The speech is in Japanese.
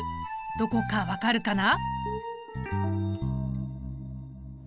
どこか分かるかな？